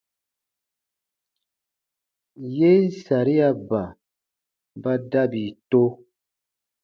Yen sariaba ba dabi to.